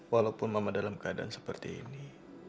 walaupun mama dalam keadaan seperti ini